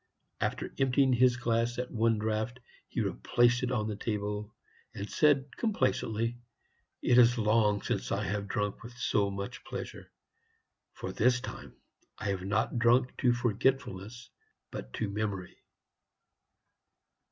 After emptying his glass at one draught, he replaced it on the table, and said complacently, "It is long since I have drunk with so much pleasure; for this time I have not drunk to forgetfulness, but to memory."